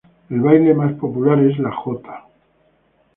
El baile más popular es la jota.